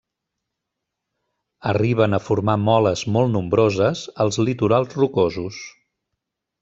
Arriben a formar moles molt nombroses als litorals rocosos.